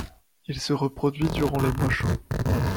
Il se reproduit durant les mois chauds.